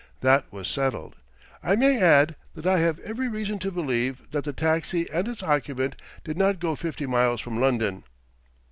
That was settled. I may add that I have every reason to believe that the taxi and its occupant did not go fifty miles from London."